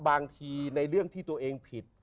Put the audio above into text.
บางทีในเรื่องที่ตัวเองผิด